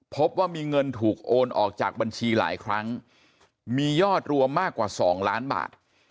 พบว่ามีเงินถูกโอนออกจากบัญชีหลายครั้งมียอดรวมมากกว่า๒ล้านบาท